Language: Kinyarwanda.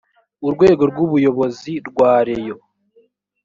urwego rw ubuyobozi rwa reyo